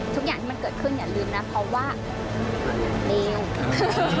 ทุกอย่างที่มันเกิดขึ้นอย่าลืมนะ